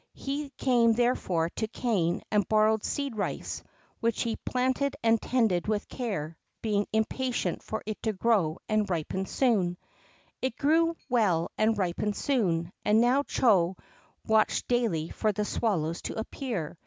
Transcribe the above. He came, therefore, to Kané and borrowed seed rice, which he planted and tended with care, being impatient for it to grow and ripen soon. It grew well and ripened soon, and now Chô watched daily for the swallows to appear.